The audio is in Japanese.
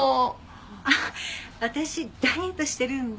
あっ私ダイエットしてるんで。